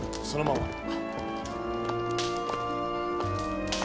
そのまま。